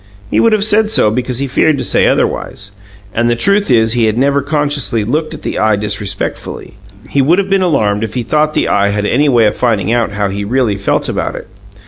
He would have said so because he feared to say otherwise; and the truth is that he never consciously looked at the Eye disrespectfully. He would have been alarmed if he thought the Eye had any way of finding out how he really felt about it.